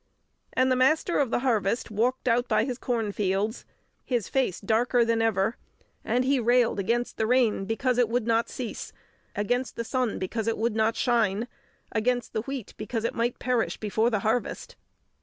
And the Master of the Harvest walked out by his cornfields, his face darker than ever. And he railed against the rain because it would not cease; against the sun because it would not shine; against the wheat because it might perish before the harvest.